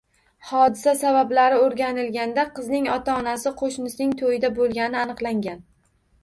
Hodisa sabablari o‘rganilganda qizning ota-onasi qo‘shnisining to‘yida bo‘lgani aniqlangan